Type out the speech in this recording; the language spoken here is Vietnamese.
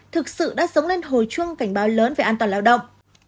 thực sự đã sống lên hồi chuông cảnh báo lớn về an toàn lao động